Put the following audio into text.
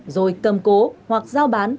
rồi cầm cố hoặc giao bán